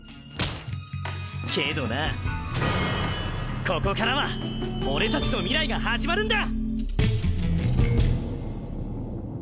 けどなここからは俺たちの未来が始まるんだ！